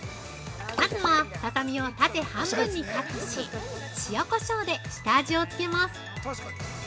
◆まずは、ささみを縦半分にカットし塩、こしょうで下味をつけます。